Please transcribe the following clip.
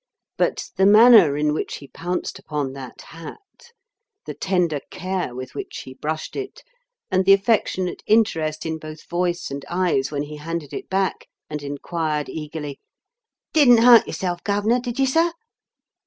But the manner in which he pounced upon that hat, the tender care with which he brushed it, and the affectionate interest in both voice and eyes when he handed it back and inquired eagerly, "Didn't hurt yourself, Gov'nor, did you, sir?"